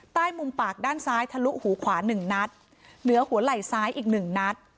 ใต้มุมปากด้านซ้ายทะลุหูขวาหนึ่งนัดเหนือหัวไหล่ซ้ายอีกหนึ่งนัด